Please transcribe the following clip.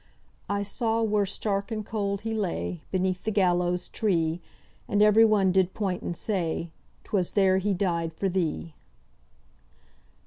"I saw where stark and cold he lay, Beneath the gallows tree, And every one did point and say, ''Twas there he died for thee!'